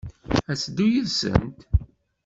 Ad teddu yid-sent?